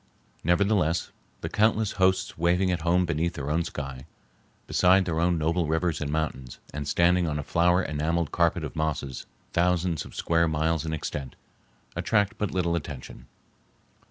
Nevertheless, the countless hosts waving at home beneath their own sky, beside their own noble rivers and mountains, and standing on a flower enameled carpet of mosses thousands of square miles in extent, attract but little attention.